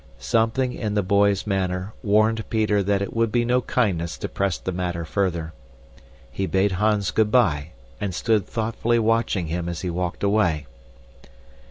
Something in the boy's manner warned Peter that it would be no kindness to press the matter further. He bade Hans good bye, and stood thoughtfully watching him as he walked away.